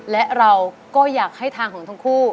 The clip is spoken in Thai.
และเราก็อยากให้ทางของทั้งคู่